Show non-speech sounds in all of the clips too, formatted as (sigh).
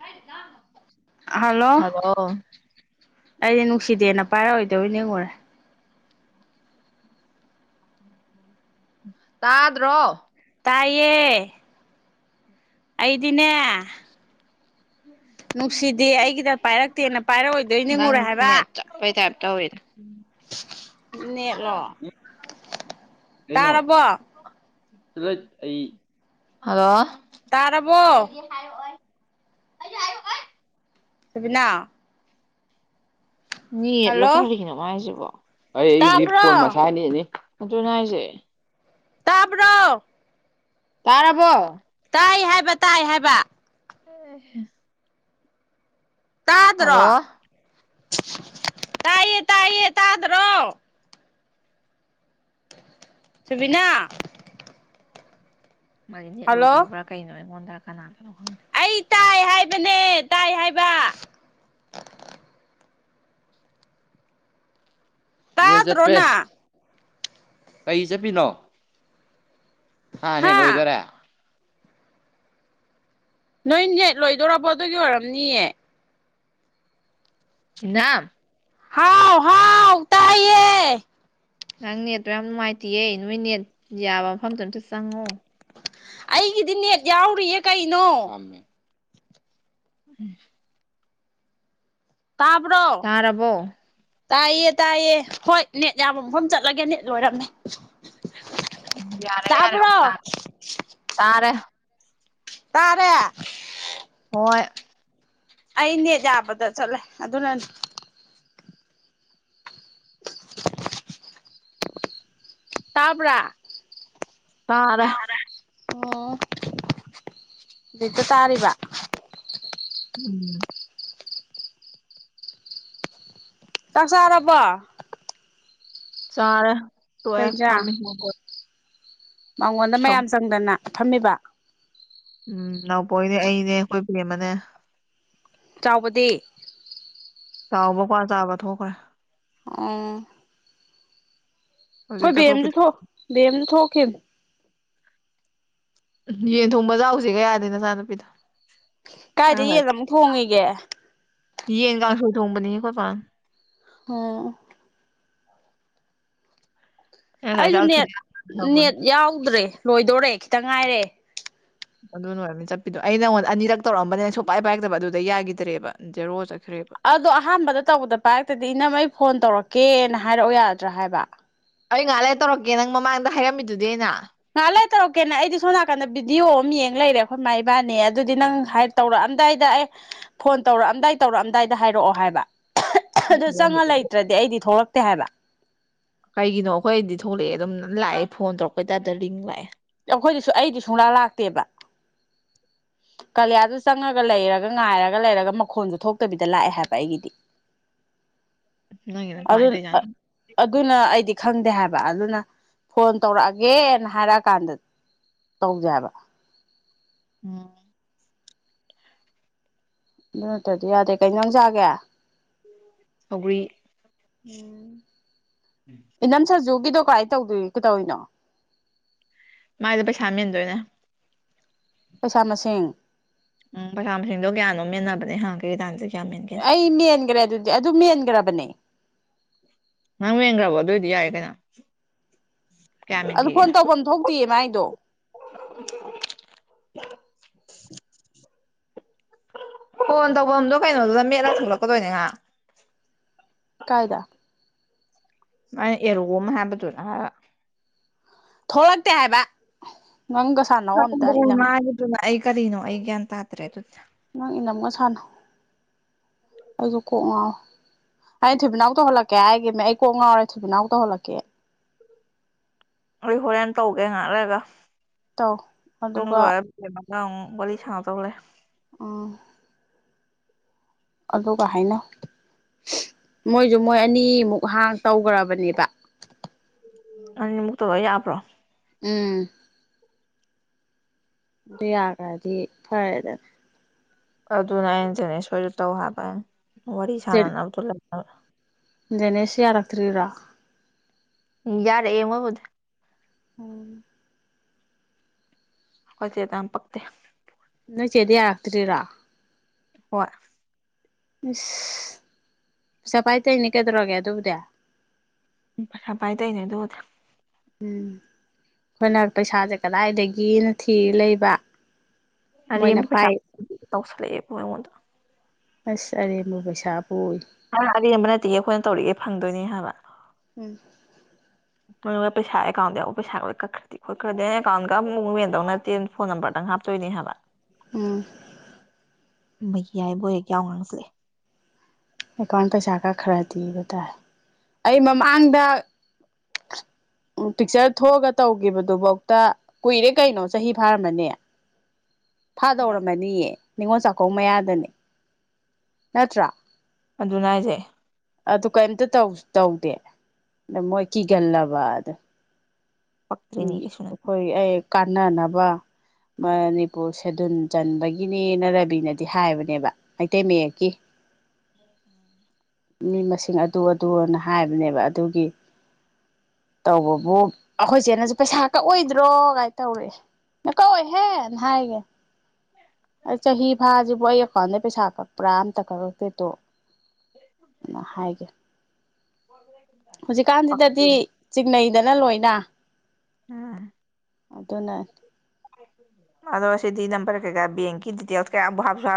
ꯍꯥꯏ ꯇꯥꯡꯄ ꯍꯜꯂꯣ ꯑꯩꯗꯤ ꯅꯨꯡꯁꯤꯗꯦꯅ ꯄꯥꯏꯔꯛꯑꯣꯏꯗꯣꯏꯅꯦꯉꯨꯔꯦ ꯇꯥꯗ꯭ꯔꯣ ꯇꯥꯏꯌꯦ ꯑꯩꯗꯤꯅꯦ ꯅꯨꯡꯁꯤꯗꯦ ꯑꯩꯒꯤꯗ ꯄꯥꯏꯔꯛꯇꯦꯅ ꯄꯥꯏꯔꯛꯑꯣꯏꯗꯣꯏ ꯅꯤꯡꯉꯨꯔꯦ ꯍꯥꯏꯕ ꯇ ꯑꯣꯏꯗ ꯅꯦꯠꯂꯣ ꯎꯝ ꯇꯥꯔꯕꯣ ꯂꯣꯏ ꯑꯩ ꯍꯂꯣ ꯇꯥꯔꯕꯣ ꯁꯤꯕꯤꯅꯥ ꯅꯠꯂꯞ ꯊꯔꯤꯅ ꯃꯥꯁꯤꯕꯣ ꯑꯩ ꯑꯩꯗꯤꯦ ꯄꯣ ꯇꯥꯕ꯭ꯔꯣ ꯃꯁꯥꯅꯤꯅꯤ ꯑꯗꯨꯅ ꯍꯥꯏꯁꯦ ꯇꯥꯕ꯭ꯔꯣ ꯇꯥꯔꯕꯣ ꯇꯥꯏ ꯍꯥꯏꯕ ꯇꯥꯏ ꯍꯥꯏꯕ ꯑ ꯇꯥꯗ꯭ꯔꯣ ꯇꯥꯏꯌꯦ - ꯇꯥꯏꯌꯦ ꯇꯥꯗꯔꯣ ꯁꯕꯤꯅꯥ ꯃꯥꯗꯤ ꯅꯦꯠ ꯂꯣꯏꯗꯣꯔꯕ꯭ꯔꯥ ꯀꯩꯅꯣ ꯑꯩꯉꯣꯟꯗ ꯀꯅꯥꯅ ꯑꯩ ꯇꯥꯏ ꯍꯥꯏꯕꯅꯦ ꯇꯥꯏ ꯍꯥꯏꯕ ꯅꯦ ꯇꯥꯗ꯭ꯔꯣ ꯆꯠꯄꯦ ꯅꯪ ꯀꯩ ꯆꯠꯄꯤꯅꯣ ꯍꯥ ꯅꯅꯤꯟ ꯍꯣꯏꯗꯔꯦ ꯅꯣꯏꯅꯦ ꯂꯣꯏꯗꯣꯔꯔꯕꯣ ꯑꯗꯨꯒꯤ ꯑꯣꯏꯔꯝꯅꯤꯑ (unintelligible) ꯍꯥꯎ ꯍꯥꯎ ꯇꯥꯏꯌꯦ ꯅꯪ ꯅꯦꯠꯇꯣ ꯌꯥꯝ ꯅꯨꯡꯉꯥꯏꯇꯦꯌꯦ ꯅꯣꯏ ꯅꯦꯠ ꯌꯥꯕ ꯃꯐꯝꯗꯣ ꯑꯝꯇ ꯆꯪꯉꯣ ꯑꯩꯒꯤꯗꯤ ꯅꯦꯠ ꯌꯥꯎꯔꯤꯌꯦ ꯀꯩꯅꯣ ꯎꯝ ꯇꯄ꯭ꯔꯣ ꯇꯥꯔꯕꯣ ꯇꯥꯏꯌꯦ ꯇꯥꯏꯌꯦ ꯍꯣꯏ ꯅꯦꯠ ꯌꯥꯕ ꯃꯐꯝ ꯆꯠꯂꯒꯦ ꯅꯠ ꯂꯣꯏꯔꯝꯃꯦ ꯌꯥꯔꯦ ꯌꯥꯔꯦ ꯇꯥꯕ꯭ꯔꯣ ꯑꯃꯨꯛ ꯇꯥꯔꯦ ꯇꯥꯔꯦ ꯇꯔꯦ ꯍꯣꯏ ꯑꯩꯅꯦ ꯌꯥꯕꯗ ꯆꯠꯂꯦ ꯑꯗꯨꯅꯅꯤ ꯇꯥꯕ꯭ꯔ ꯇꯥꯗ ꯑꯣ ꯑꯛꯇ ꯇꯥꯔꯤꯕ ꯎꯝ ꯆꯥꯛ ꯆꯥꯔꯕ ꯁꯔꯦ ꯇꯣ ꯏꯟꯖꯥꯡ ꯊꯃꯤ ꯍ ꯃꯉꯣꯟꯗ ꯃꯌꯥꯝ ꯆꯪꯗꯅ ꯊꯝꯃꯤꯕ ꯎꯝ ꯅꯥꯎꯄꯣꯛꯅꯦ ꯑꯩꯅꯦ ꯑꯩꯈꯣꯏꯕꯤ ꯑꯃꯅꯦ ꯆꯥꯎꯕꯗꯤ ꯆꯥꯎꯕꯀꯥꯟ ꯆꯥꯕ ꯊꯣꯛꯈꯦ ꯑꯣ ꯍꯣꯏ ꯍꯧꯖꯤꯛꯇ ꯊꯣꯛꯈꯤꯗ꯭ꯔꯦ ꯕꯦꯝꯁꯨ ꯕꯦꯝꯁꯨ ꯊꯣꯛꯈꯤꯕ ꯎ ꯌꯦꯟ ꯊꯣꯡꯕꯖꯍꯁꯤꯒꯌꯥꯗ ꯅꯆꯥꯅꯨꯄꯤꯗꯣ ꯑ ꯀꯥꯏꯗ ꯌꯦꯟ ꯑꯃꯨꯛ ꯊꯣꯡꯉꯤꯒꯦ ꯌꯦꯡꯒ ꯆꯣꯡꯕꯅꯤ ꯀꯣꯏ ꯄ ꯍ ꯑꯩ ꯉꯁꯥꯏ ꯑꯩꯁꯨ ꯆꯥꯛ ꯅꯦꯠ ꯊꯤꯜꯂꯛꯑꯝꯕꯅꯤ ꯅꯦꯠ ꯌꯥꯎꯗ꯭ꯔꯦ ꯂꯣꯏꯗꯣꯔꯦ ꯈꯤꯇꯪ ꯉꯥꯏꯔꯦ ꯑꯗꯨꯅ ꯑꯣꯏꯔꯕꯅꯤ ꯆꯠꯄꯤꯗꯣ ꯑꯩ ꯅꯪꯉꯣꯟꯗ ꯑꯅꯤꯔꯛ ꯇꯧꯔꯑꯝꯕꯅꯦ ꯑꯩ ꯁꯨꯡꯄꯥꯏ ꯄꯥꯏꯔꯛꯇꯕ ꯑꯗꯨꯗ ꯌꯥꯈꯤꯗ꯭ꯔꯦꯕꯦꯔꯣ ꯆ ꯑꯗꯣ ꯑꯍꯥꯟꯕꯗ ꯇꯧꯕꯗ ꯄꯥꯏꯔꯛꯇꯗꯤ ꯏꯅꯝꯃꯩ ꯐꯣꯟ ꯇꯧꯔꯛꯀꯦꯅ ꯍꯥꯏꯔꯛꯑꯣ ꯌꯥꯗ꯭ꯔꯥ ꯍꯥꯏꯕ ꯑꯩ ꯉꯥꯏꯍꯥꯛꯂ ꯇꯧꯔꯛꯀꯦ ꯅꯪ ꯃꯃꯥꯡꯗ ꯍꯥꯏꯔꯝꯃꯤꯗꯨꯗꯤ ꯑꯩꯅ ꯉꯍꯥꯟꯥꯏ ꯇꯧꯔꯛꯀꯦꯅꯦ ꯑꯩꯗꯤ ꯁꯣꯝ ꯅꯥꯀꯟꯗ ꯚꯗꯤꯑꯣ ꯑꯃ ꯌꯦꯡꯉ ꯂꯩꯔꯦ ꯑꯩꯈꯣꯏ ꯃꯥ ꯏꯕꯥꯅꯦ ꯑꯗꯨꯗꯤ ꯅꯪ ꯍꯥꯏ ꯇꯧꯔꯛꯑ ꯑꯝꯗꯥꯏꯗ ꯑꯩ ꯐꯣꯟ ꯇꯧꯔꯛꯑꯝꯗꯥꯏ ꯇꯧꯔꯛꯑꯝꯗꯥꯏꯗ ꯍꯥꯏꯔꯛꯑꯣ ꯍꯥꯏꯕ ꯑꯗꯨ ꯆꯪꯉ ꯂꯩꯇ꯭ꯔꯗꯤ ꯑꯩꯗꯤ ꯊꯣꯛꯂꯛꯇꯦ ꯍꯥꯏꯕ ꯀꯩꯒꯤꯅꯣ ꯑꯩꯈꯣꯏꯗꯤ ꯊꯣꯛꯂꯛꯑꯦ ꯑꯗꯨꯝ ꯂꯥꯛꯑꯦ ꯐꯣꯟ ꯇꯧꯔꯛꯄꯩꯇꯥꯔꯦꯗ ꯔꯤꯡ ꯂꯥꯛꯑꯦ ꯑꯩꯈꯣꯏꯗꯁꯨ ꯑꯩꯗꯤ ꯁꯨꯡꯂꯥ ꯂꯥꯛꯇꯦꯕ ꯀꯂ ꯌꯥ ꯑꯗꯨ ꯆꯉꯒꯂ ꯏꯔꯒ ꯉꯥꯏꯔꯒ ꯂꯩꯔꯒ ꯃꯈꯣꯁꯨ ꯊꯣꯛꯇꯕꯤꯗ ꯂꯥꯛꯑꯦ ꯍꯥꯏꯕ ꯑꯩꯒꯤꯗꯤ ꯅꯪꯒꯤꯅ ꯑꯗꯨ ꯀꯃꯥꯏꯅ ꯇꯧꯔꯤꯖꯥꯠꯅꯣ ꯑꯗꯨꯅ ꯑꯩꯗꯤ ꯈꯪꯗꯦ ꯍꯥꯏꯕ ꯑꯗꯨꯅ ꯐꯣꯟ ꯇꯧꯔꯛꯑꯒꯦꯅ ꯍꯥꯏꯔꯛꯑꯀꯥꯟꯗ ꯇꯧꯖꯦꯕ ꯎꯝ ꯑꯗꯨ ꯅꯠꯇꯗꯤ ꯌꯥꯗꯦ ꯀꯩ ꯅꯪ ꯆꯥꯒꯦ ꯁꯧꯒ꯭ꯔꯤ ꯏꯅꯝ ꯁꯥ ꯌ ꯒꯤꯗꯣ ꯀꯃꯥꯏ ꯇꯧꯗꯣꯏ ꯀ ꯇꯧꯔꯤꯅꯣ ꯃꯥꯥꯏꯗ ꯄꯩꯁꯥ ꯃꯦꯟꯗꯣꯏꯅꯦ ꯄꯩꯁꯥ ꯃꯁꯤꯡ ꯎꯝ ꯃꯁꯥ ꯃꯁꯤꯡꯗꯣ ꯀꯌꯥꯅꯣ ꯃꯦꯟꯅꯕꯅꯦ ꯍꯪ ꯀꯩ ꯇꯥꯟꯒꯦ ꯑꯩ ꯃꯦꯟꯈ꯭ꯔꯦ ꯑꯗꯨꯗꯤ ꯑꯗꯨꯝ ꯃꯦꯟꯈ꯭ꯔꯕꯅꯦ ꯅꯪ ꯌꯦꯡꯈ꯭ꯔꯕꯣ ꯑꯗꯨꯑꯣ ꯑꯣꯏꯗꯤ ꯌꯥꯏꯌꯦ ꯀꯩꯅꯣ ꯀꯌꯥ ꯑꯗꯨ ꯃꯦꯟꯈꯤꯒꯦ ꯐꯣꯟ ꯇꯧꯐꯝ ꯊꯣꯛꯇꯤꯌꯦ ꯃꯥꯏꯗꯣ (inaudible) ꯐꯣꯟ ꯇꯧꯐꯝꯗꯣ ꯀꯩꯅꯣꯗꯨꯗ ꯃꯦꯠꯂ ꯁꯂꯛꯀꯗꯣꯏꯅꯦꯍꯥꯛ ꯀꯥꯏꯗ ꯑ ꯑꯦꯔꯣꯒꯝ ꯍꯥꯏꯕꯗꯨꯔ ꯊꯣꯛꯂꯛꯇꯦ ꯍꯥꯏꯕ ꯅꯪꯒ ꯁꯥꯟꯅꯧ ꯑꯝꯇ ꯏꯅꯝ ꯃꯥ ꯑꯗꯨꯅ ꯑꯩꯒꯗꯅꯣ ꯑꯩꯒꯌꯥꯟ ꯍꯥ꯭ꯔꯦ ꯅꯪ ꯏꯅꯝꯒ ꯁꯥꯟꯅꯣ ꯑꯩꯁꯨ ꯀꯣꯛ ꯉꯑꯣ ꯑꯩ ꯊꯣꯏꯕꯤꯅꯥꯎ ꯇꯧꯍꯜꯂꯛꯀꯦ ꯍꯥꯏꯒꯤ ꯑꯩ ꯀꯣꯛ ꯉꯥꯎꯔꯦ ꯊꯣꯏꯕꯤꯅꯥꯎ ꯇꯧꯍꯜꯂꯛꯀꯦ ꯍꯣꯔ ꯍꯣꯔꯦꯟꯦꯟ ꯇꯧꯒꯦ ꯉꯥꯏꯔꯒ ꯇꯧ ꯑꯗꯨꯒ ꯑ ꯋꯥꯔꯤ ꯁ ꯇꯦ ꯑꯣ ꯑꯗꯨꯒ ꯀ ꯍꯥꯏꯥꯏꯅ ꯃꯣꯏꯁꯨ ꯃꯣꯏ ꯑꯅꯤꯃꯨꯛ ꯍꯥꯡ ꯇꯧꯈ꯭ꯔꯕꯅꯦꯕ ꯑꯅꯤꯅꯤꯃꯨꯛꯇꯔ ꯌꯥꯕ꯭ꯔꯣ ꯎꯝ ꯑꯗꯨ ꯌꯥꯈ꯭ꯔꯗꯤ ꯐꯔꯦꯗ ꯑꯗꯨꯅ ꯑꯩꯅꯁꯤꯅꯦ ꯁꯣꯏꯗ ꯇꯧ ꯍꯥꯏꯕ ꯋꯥꯔꯤ ꯁꯥꯟꯅꯅꯕꯗꯣ ꯖꯅꯦꯁ ꯌꯥꯔꯇꯔꯤꯔꯥ ꯌꯥꯔꯦ ꯏꯃꯕꯨꯗ ꯑꯣꯝ ꯍ ꯆꯦ ꯇꯥꯟ ꯄꯛꯛꯇ ꯆꯗꯤ ꯌꯥꯥꯛꯇꯔꯔ ꯍꯣꯏ ꯏꯁꯁ ꯄꯩꯁꯥ ꯄꯥꯏꯇꯩꯣꯏꯅꯦ ꯀꯩꯗꯧꯔꯒꯦ ꯑꯗꯨꯕꯨꯗꯤ ꯎꯁꯄꯥꯏ ꯇꯅꯦ ꯇꯗ ꯎꯝ ꯑꯩꯈꯣꯏꯅ ꯄꯩꯁꯥꯁꯦ ꯀꯗꯥꯏꯗꯒꯤꯅ ꯊꯤꯔ ꯂꯩꯕ ꯑꯕ ꯃꯣꯏꯅ ꯄꯩꯁꯥ ꯄꯥꯏ ꯇꯧꯁ ꯂꯩꯌꯦꯦꯉꯣꯟꯗ ꯆꯔꯦꯝꯃꯨ ꯄꯩꯁꯥꯕꯨ ꯑꯣꯏ ꯑꯔꯦꯝꯕ ꯅꯠꯇꯦ ꯑꯩꯈꯣꯏꯅ ꯇꯧꯔꯤꯒꯦ ꯐꯪꯗꯣꯏꯅꯤ ꯍꯥꯏꯕ ꯎꯝ ꯅꯣꯏ ꯄꯩꯁꯥ ꯑꯦꯀꯥꯎꯟꯗ ꯌꯥꯎꯕ ꯄꯩꯁꯥ ꯂꯣꯏ ꯀꯛꯈ꯭ꯔꯗꯤ ꯈꯣꯠꯈ꯭ꯔꯗꯤ ꯑꯦꯀꯥꯎꯟꯒꯛꯦꯟꯗꯧ ꯅꯠꯇꯦ ꯐꯣꯟ ꯅꯝꯕꯔꯗꯪꯦ ꯇꯣꯏꯅꯤ ꯍꯥꯏꯕ ꯎꯝ ꯃ ꯌꯥꯏꯕꯣꯏꯍꯦ ꯀꯌꯥ ꯉꯥꯡꯁꯂꯦ ꯑꯦꯀꯥꯎꯟ ꯄꯩꯁꯥ ꯈ ꯈꯔꯗꯤꯤꯕ ꯇꯥꯔꯦ ꯑꯩ ꯃꯃꯥꯡꯗ (inaudible) ꯎ ꯄꯤꯛꯆꯔ ꯊꯣꯛꯑꯒ ꯇꯧꯈꯤꯕꯗꯨꯐꯧꯇ ꯀꯨꯏꯔꯦ ꯀꯩꯅꯣ ꯆꯍꯤ ꯐꯥꯔꯝꯃꯅꯦ ꯊꯥꯗꯧꯔꯝꯃꯅꯤꯌꯦ ꯅꯤꯉꯣꯜ ꯆꯥꯛꯀꯧ ꯃꯌꯥꯗꯅꯦ ꯅꯠꯇ꯭ꯔ ꯑꯗꯨꯅ ꯍꯥꯏꯖꯩ ꯑꯗꯨ ꯀꯩꯝꯇ ꯇꯧꯗꯦ ꯑꯗ ꯃꯣꯏ ꯀꯤꯒꯜꯂꯕ ꯑꯗ ꯄꯛꯇ꯭ꯔꯤꯅꯤ ꯀꯩꯁꯨ ꯅꯠꯇꯦ ꯑꯩꯈꯣꯏ ꯑꯩ ꯀꯥꯟꯅꯅꯕ ꯃꯅꯤꯄꯨꯔ ꯁꯦꯗꯨꯟ ꯆꯟꯕꯒꯤꯅꯦꯅ ꯔꯕꯤꯅꯗꯤ ꯍꯥꯏꯕꯅꯦꯕ ꯃꯩꯇꯩ ꯃꯌꯦꯛꯀꯤ ꯃꯤ ꯃꯁꯤꯡ ꯑꯗꯨ ꯑꯗꯨꯅ ꯍꯥꯏꯕꯅꯦꯕ ꯑꯗꯨꯒꯤ ꯇꯧꯕꯕꯨ ꯑꯩꯈꯣꯏ ꯏꯆꯦꯅꯁꯨ ꯄꯩꯁꯥ ꯀꯛꯑꯣꯏꯗ꯭ꯔꯣ ꯀꯥꯏꯅ ꯇꯧꯔꯛꯑꯥꯥ ꯑꯩꯅ ꯀꯛꯑꯣꯏꯍꯦꯅ ꯍꯥꯏꯒꯔ꯭ꯦ ꯆꯍꯤ ꯐꯥꯁꯤꯕꯨ ꯑꯩ ꯑꯦꯀꯥꯎꯟꯗ ꯄꯩꯁꯥ ꯀꯛꯄ꯭ꯔꯥ ꯑꯝꯇ ꯀꯛꯛꯇꯦꯗꯣ ꯍꯥꯏꯕꯥ ꯍꯧꯖꯤꯛꯀꯥꯟꯁꯤꯗꯗꯤ ꯄꯛꯇ꯭ꯔꯤꯅꯤ ꯆꯤꯡꯅꯩ ꯗꯅ ꯂꯣꯏꯅ ꯑꯗꯨꯅ ꯑꯗꯣꯁꯁꯤꯗꯤ ꯅꯝꯕꯔ ꯀꯒ ꯕꯥꯟꯡꯀꯤꯇꯀꯞ ꯁ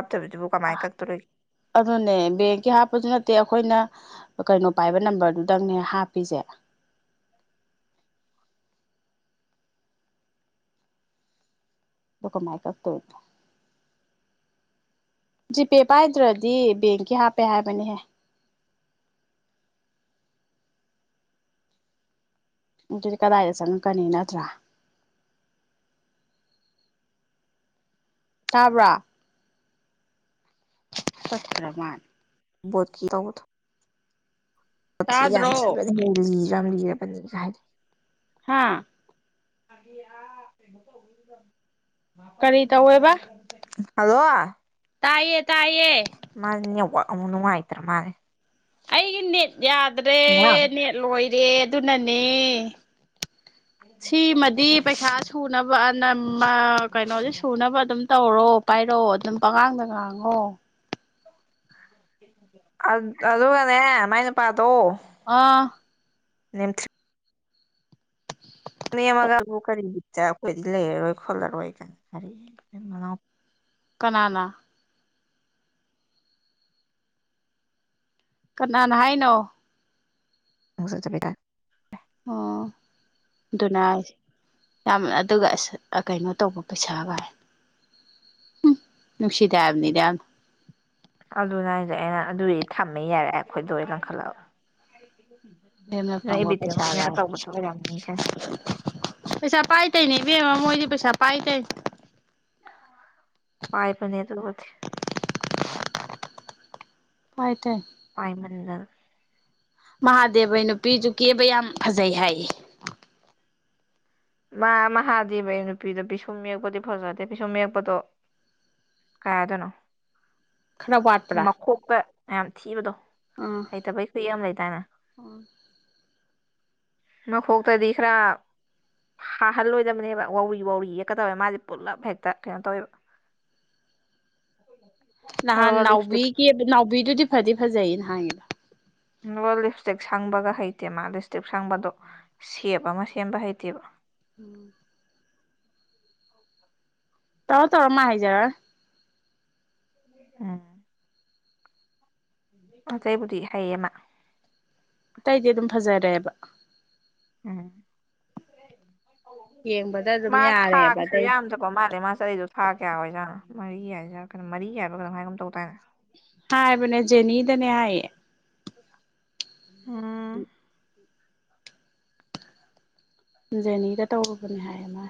ꯑꯗꯨ ꯑꯗꯨꯅꯦ ꯕꯒꯦ ꯍꯥꯄꯗꯅ ꯑꯠꯇꯦ ꯑꯩꯈꯣꯏꯅ ꯀꯩꯅꯣ ꯄꯥꯏꯕ ꯅꯝꯕꯔꯗꯨꯗꯪꯅꯦ ꯍꯥꯞꯄꯤꯁꯦ ꯒ ꯂꯀꯝꯥꯏꯀ ꯇꯋꯅ ꯖꯤꯄꯦ ꯄꯥꯏꯗ꯭ꯔꯗꯤ ꯕꯦꯡꯀꯤ ꯍꯥꯞꯄꯦ ꯍꯥꯏꯕꯅꯤꯍꯦ ꯗꯤ ꯀꯗꯥꯏꯗ ꯆꯪꯉꯛꯀꯅꯤ ꯅꯠꯇ꯭ꯔꯥ ꯇꯥꯕ꯭ꯔꯥ ꯇꯥꯠꯈꯔꯥ ꯃꯥꯜꯂꯦ ꯄꯣꯠꯀꯤ ꯇꯧꯕꯗꯣ ꯣꯊꯤꯔ ꯌꯥꯝ ꯇꯥꯗ꯭ꯔꯣ ꯊꯤꯕꯅꯦ ꯂꯤꯔꯥ ꯌꯥꯝ ꯂꯤꯔꯕꯔꯕꯅꯤ ꯀ ꯍꯥꯏꯔ ꯍꯥꯥ ꯄ ꯀꯟ ꯀꯔꯤ ꯇꯧꯋꯦꯕ ꯍꯜꯂꯣ ꯇꯥꯏꯌꯦ ꯇꯥꯏꯌꯦ ꯃꯥꯅꯦ ꯎꯅ ꯍꯥꯏꯥꯏꯇ꯭ꯔ ꯃꯥꯂꯦ ꯑꯩꯒꯤ ꯅꯦꯠ ꯌꯥꯗ꯭ꯔꯦ ꯅꯦꯠ ꯂꯣꯏꯔꯦ ꯑꯗꯨꯅꯅꯦ ꯁꯤꯃꯗꯤ ꯄꯩꯁꯥ ꯁꯨꯅꯕ ꯑꯅ ꯀꯩꯅꯣꯁ ꯁꯨꯅꯕ ꯑꯗꯨꯝ ꯇꯧꯔꯣ ꯄꯥꯏꯔꯣ ꯑꯗꯨꯝ ꯄꯉꯥꯡꯗ ꯉꯥꯡꯉꯣ ꯑꯗꯨꯒꯅꯦ ꯃꯥꯏ ꯅꯨꯄꯥꯗꯣ ꯑꯥ ꯅꯦꯝꯊꯔ꯭ꯤꯛ ꯅꯦꯝꯅꯒ ꯀꯔꯤꯒꯤꯠꯇ ꯑꯩꯈꯣꯏꯗꯤ ꯂꯩꯔꯔꯣꯏ ꯈꯣꯜꯂꯔꯣꯏ ꯀ ꯀꯔꯤ ꯀꯅꯥꯅꯥ ꯀꯅꯥꯅ ꯍꯥꯏꯅꯣ ꯃꯁꯥꯖꯦꯗ ꯑꯣ ꯑꯗꯨꯅ ꯌꯥꯝ ꯑꯗꯨꯒ ꯑꯁ ꯀꯩꯅꯣ ꯇꯧꯕ ꯄꯩꯁꯥꯒꯥꯏ ꯅꯨꯡꯁꯤꯗꯦ ꯍꯥꯏꯕꯅꯤꯗ ꯑꯗꯨꯅ ꯍꯥꯏꯗ ꯑꯩꯅ ꯑꯗꯨꯗꯤ ꯊꯝꯃꯦ ꯌꯥꯔꯑꯦ ꯑꯩꯈꯣꯏꯗ ꯀꯟꯈꯠꯂꯛ ꯃꯦ ꯐꯥꯎꯣ ꯄꯩꯁꯥꯒ ꯑꯣꯏꯔꯝꯅꯤ ꯀꯥꯏ ꯄꯩꯁꯥ ꯄꯥꯏ ꯇꯩꯅꯦꯕꯤꯃ ꯃꯣꯏꯗꯤ ꯄꯩꯁꯥ ꯄꯥꯏ ꯇ ꯄꯥꯏ ꯄꯅꯤ ꯌꯦ ꯇꯕꯨꯗꯤ ꯄꯥꯏ ꯇꯧꯔꯤ ꯄꯥꯏꯃꯟ ꯗꯥꯅꯥ ꯃꯍꯥꯗꯦꯕꯩ ꯅꯨꯄꯤꯗꯨ ꯀꯦꯕ ꯌꯥꯝ ꯐꯖꯩ ꯍꯥꯏꯌꯦ ꯃꯥ ꯃꯍꯥꯗꯤꯕꯩ ꯅꯨꯄꯤꯗꯣ ꯄꯤꯁꯨꯝ ꯌꯦꯛꯄꯗꯤ ꯐꯖꯗꯦ ꯄꯤꯁꯨꯝ ꯌꯦꯛꯄꯗꯣ ꯀꯥꯏꯗꯅꯣ ꯈꯔ ꯋꯥꯠꯄ꯭ꯔꯥ ꯃꯈꯣꯛꯇ ꯌꯥꯝ ꯊꯤꯕꯗꯣ ꯑꯥ ꯑꯩ ꯇ ꯄꯩ ꯈꯨꯨꯏ ꯑꯃ ꯂꯩ ꯇꯅ ꯃ ꯈꯣꯈ ꯇ ꯈ꯭ꯔꯥ ꯍꯥꯍꯜꯂꯣꯏꯗꯕꯅꯦꯕ ꯋꯥꯧꯔꯤ ꯋꯥꯧꯔꯤ ꯌꯦꯛꯀ ꯇꯧꯋꯦ ꯃꯥꯁꯦ ꯄꯨꯂꯞ ꯍꯦꯛꯇ ꯀꯩꯅꯣ ꯇꯧꯋꯦꯕ (unintelligible) (inaudible) ꯅꯍꯥꯟ ꯑꯗꯨꯒ ꯂꯤꯞꯁꯇꯤꯛ ꯅꯥꯎꯕꯤꯒꯤ ꯅꯥꯎꯕꯤꯗꯨꯗꯤ ꯐꯗꯤ ꯐꯖꯩꯌꯦ ꯅꯍꯥꯟꯒꯤꯗ ꯅꯣ ꯂꯤꯞ ꯏꯁꯇꯤꯛ ꯁꯪꯕꯒ ꯍꯩꯇꯦ ꯃꯥ ꯂꯤꯞ ꯏꯁꯇꯤꯛ ꯁꯪꯕꯗꯣ ꯁꯦꯞ ꯑꯃ ꯁꯦꯝꯕ ꯍꯩꯇꯦꯕ ꯎꯝ ꯇꯔ ꯇꯧꯔꯣ ꯃꯥ ꯍꯥꯏꯩꯖꯔ ꯑꯥ ꯑꯆꯩꯕꯨꯗꯤ ꯍꯥꯏꯩꯌꯦꯃ ꯑꯇꯩꯗꯤ ꯑꯗꯨꯝ ꯐꯖꯔꯦꯕ ꯎꯝ ꯌꯦꯡꯕꯗ ꯑꯗꯨꯝ ꯃꯥ ꯌꯥꯔꯦꯕ ꯊꯥꯒꯁꯨ ꯑꯇꯩ ꯌꯥꯝ ꯆꯠꯄ ꯃꯥꯜꯂꯦ ꯃꯥ ꯆꯍꯤꯗꯣ ꯊꯥ ꯀꯌꯥ ꯑꯣꯏꯖꯥꯠꯅꯣ ꯃꯔꯤ ꯌꯥꯏ ꯌꯥꯔ ꯀꯅ ꯃꯔꯤ ꯌꯥꯏꯕ ꯀꯃꯝ ꯍꯥꯏꯒꯝ ꯇꯧ ꯇꯥꯏꯅ ꯍꯥꯏꯕꯅꯦ ꯖꯦꯅꯤꯗꯅꯦ ꯍꯥꯏꯌꯦ ꯎꯝ ꯎ ꯖꯦꯅꯤꯗ ꯇꯧꯨꯕꯅꯦ ꯍꯥꯏꯌꯦ ꯃꯥ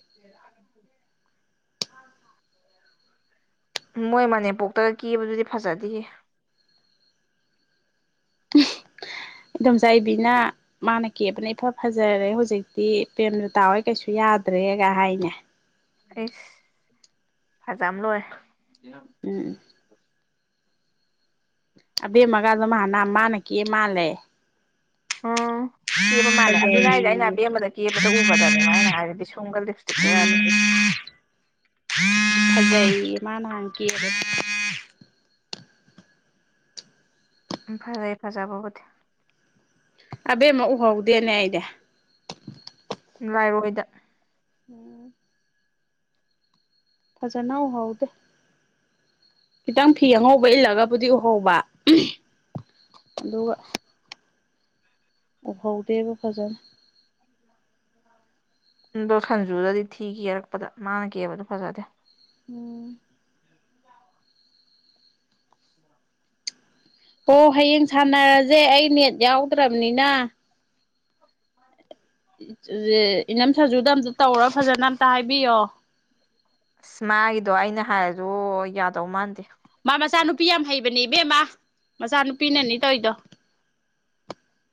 (unintelligible) (inaudible) ꯃꯣꯏ ꯃꯅꯦꯝꯄꯣꯛꯇꯒ ꯀꯤꯕꯗꯨꯗꯤ ꯐꯖꯗꯦ (unintelligible) (inaudible) ꯏꯗꯣꯝꯆꯥ ꯏꯕꯤꯅ ꯃꯥꯅ ꯀꯦꯕꯅ ꯏꯐ ꯐꯖꯔꯦ ꯍꯧꯖꯤꯛꯇꯤ ꯄ꯭ꯔꯦꯝꯗ ꯇꯥꯑꯣꯦ ꯀꯩꯁꯨ ꯌꯥꯗ꯭ꯔꯦꯒ ꯍꯥꯏꯅꯦ ꯏꯁ ꯐꯖꯝ ꯂꯣꯏ ꯎꯝ ꯑꯕꯦꯝꯃꯒꯥꯗꯃꯥꯟꯅ ꯃꯥꯅ ꯀ ꯃꯥꯂꯦ ꯎꯝ ꯀꯦꯕ ꯃꯥꯜꯂꯦ ꯑꯗꯨꯅ ꯍꯥꯏꯗꯤ ꯑꯩꯅ ꯑꯕꯦꯝꯕꯗ ꯀꯦꯕꯗ ꯎꯕꯗꯅꯦꯕ ꯑꯩꯅ ꯍꯥꯏꯔꯗꯤ ꯁꯣꯝꯒ ꯂꯤꯞ ꯏꯁꯇꯤꯛ ꯀꯌꯥꯗꯁꯦ ꯐꯖꯩ ꯃꯥꯅꯥꯡ ꯀ ꯝ ꯐꯖꯩ ꯍꯐꯖꯕꯕꯨꯗꯤ ꯑꯕꯦꯝ ꯑꯃ ꯎꯍꯧꯗꯦꯅꯦ ꯑꯩꯗꯤ ꯂꯥꯏꯔꯣꯏꯗ ꯑ ꯐꯖꯥꯅꯅꯥ ꯍꯥꯎꯗꯦ ꯈꯤꯇꯪ ꯐꯤ ꯑꯉꯧꯕ ꯏꯜꯂꯒꯕꯨꯗꯤ ꯎꯍꯧꯕ ꯑꯗꯨꯒ ꯑꯣꯐꯥꯎꯗꯦꯕꯨ ꯐꯖꯅ ꯗꯣ ꯁꯟꯖꯨꯗꯗꯤ ꯊꯤ ꯀꯦꯔꯛꯄꯗ ꯃꯥꯅ ꯀꯦꯕꯗꯣ ꯐꯖꯗꯦ ꯎꯝ ꯑꯣ ꯍꯌꯦꯡ ꯁꯥꯟꯅꯔꯁꯦ ꯑꯩ ꯅꯦꯠ ꯌꯥꯎꯗ꯭ꯔꯕꯅꯤꯅ ꯏꯅꯝ ꯁꯖꯨꯗ ꯑꯝꯇ ꯇꯧꯔ ꯐꯖꯅ ꯑꯝꯇ ꯍꯥꯏꯕꯤꯌꯣ ꯑꯁ ꯃꯥꯒꯤꯗꯣ ꯑꯩꯅ ꯍꯥꯏꯔꯁꯨ ꯌꯥꯗꯧ ꯃꯥꯟꯗꯦ ꯃꯥ ꯃꯆꯥꯅꯨꯄꯤ ꯌꯥꯝ ꯍꯩꯕꯅꯦ ꯏꯕꯦꯝꯃ ꯃꯆꯥꯅꯨꯄꯤꯅꯅꯤ ꯇꯧꯔꯤꯗꯣ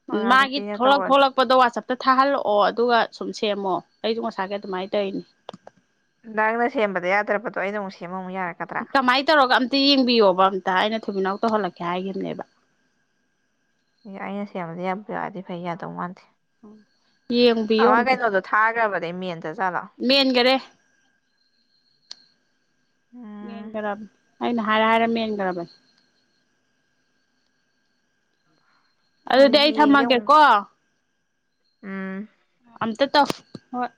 ꯑꯣꯖꯥ ꯃꯥꯒꯤ ꯅꯨꯄꯤꯅ ꯊꯣꯛꯂꯛ ꯇꯧꯔꯁꯨ ꯊꯣꯛꯂꯛꯄꯗ ꯋꯥꯆꯞ ꯑꯝ ꯇ ꯊꯥꯍꯜꯂꯛꯑꯣ ꯑꯗꯨꯒ ꯁꯨꯝ ꯁꯦꯝꯃꯣ ꯑꯩꯁꯨ ꯉꯁꯥꯏꯒꯤ ꯑꯗꯨꯃꯥꯏꯅ ꯇꯧꯔꯤꯅꯤ ꯅꯪꯅ ꯁꯦꯝꯕꯗ ꯌꯥꯗ꯭ꯔꯕꯗꯣ ꯑꯩꯅ ꯑꯃꯨꯛ ꯁꯦꯝ ꯀꯃꯥꯏꯅ ꯇꯧꯔꯒ ꯑꯝꯇ ꯌꯦꯡꯕꯤꯌꯣꯕ ꯑ ꯑꯩꯅ ꯊꯨꯃꯤꯅꯥꯎ ꯇꯧꯍꯜꯂꯛꯀꯦ ꯍꯥꯏꯈꯤꯕꯅꯦꯕ ꯑꯦ ꯑꯩꯅ ꯁꯦꯝꯕꯗꯤ ꯌꯥꯝꯕ ꯌꯥꯔꯗꯤ ꯐꯩ ꯌꯥꯗꯧ ꯃꯥꯟꯗꯦ (inaudible) ꯌꯦꯡꯕꯤꯌꯣ ꯑꯃ ꯑꯝꯇ ꯀꯩꯅꯣꯗꯣ ꯊꯥꯈ꯭ꯔꯕꯅꯦ ꯃꯦꯟꯗ ꯖꯥꯠꯂꯣ ꯃꯦꯟꯈꯔꯦ ꯎꯝ ꯃꯦꯟꯈ꯭ꯔꯕ ꯑꯩꯅ ꯍꯥꯏꯔ ꯍꯥꯏꯔ ꯃꯦꯟꯈ꯭ꯔꯕꯅꯤ ꯍꯣꯏ ꯑꯗꯨꯗꯤ ꯑꯩ ꯌꯦꯡꯒꯦ ꯑꯃꯨꯛ ꯊꯝꯃꯒꯦꯀꯣ ꯎꯝ ꯑꯇ ꯇꯐ ꯍꯣꯏ